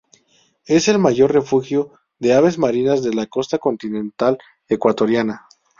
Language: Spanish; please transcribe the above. Es el mayor refugio de aves marinas de la costa continental ecuatoriana.